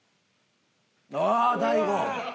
あっ大悟！